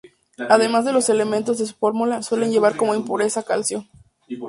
Además de los elementos de su fórmula, suele llevar como impureza calcio.